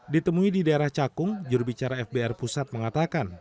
ditemui di daerah cakung jurubicara fbr pusat mengatakan